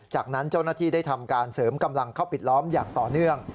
จากนั้นเจ้าหน้าที่ได้ทำการเสริมกำลังเข้าปิดล้อมอย่างต่อเนื่อง